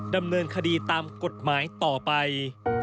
ดำเนินคดีตามกฎหมายต่อไป